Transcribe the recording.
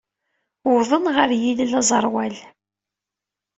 Wwḍen ɣer yilel aẓerwal.